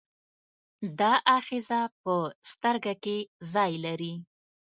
دا آخذه په سترګه کې ځای لري.